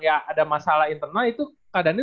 ya ada masalah internal itu kadangnya